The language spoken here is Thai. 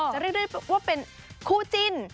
เรียกได้ว่าเป็นคู่จิ้น